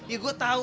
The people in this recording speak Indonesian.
iya gue tau